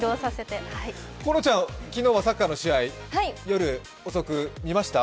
このちゃん、昨日はサッカーの試合夜遅く見ましたか？